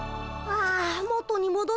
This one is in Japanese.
ああ。